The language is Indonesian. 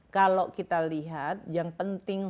kalau kita lihat yang penting